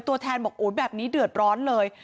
ตัวแทนบอกโอ้ยแบบนี้เดือดร้อนเลย